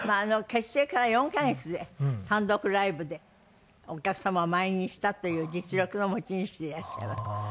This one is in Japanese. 結成から４カ月で単独ライブでお客様を満員にしたという実力の持ち主でいらっしゃいます。